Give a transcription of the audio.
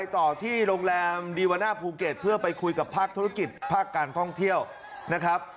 ตอนนี้เรามาผมบอกเขาว่าทั่วทางประเทศไทยภูเก็ตเด็กทั้งครอบ